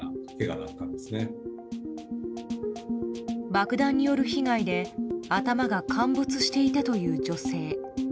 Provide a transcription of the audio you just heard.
爆弾による被害で頭が陥没していたという女性。